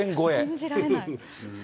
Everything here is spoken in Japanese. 信じられない。